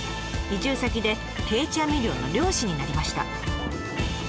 移住先で定置網漁の漁師になりました。